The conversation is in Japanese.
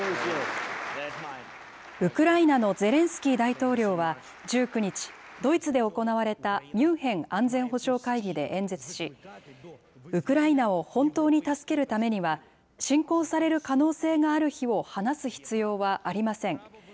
ウクライナのゼレンスキー大統領は１９日、ドイツで行われたミュンヘン安全保障会議で演説し、ウクライナを本当に助けるためには、侵攻される可能性がある日を話す必要はありません。